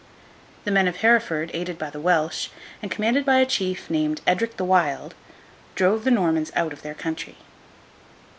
The men of Hereford, aided by the Welsh, and commanded by a chief named Edric the Wild, drove the Normans out of their country.